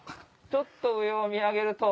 ちょっと上を見上げると。